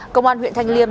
công an huyện thanh liêm